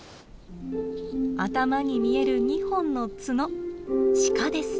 頭に見える２本の角シカです。